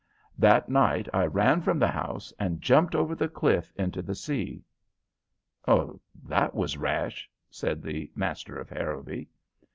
That night I ran from the house and jumped over the cliff into the sea." "That was rash," said the master of Harrowby.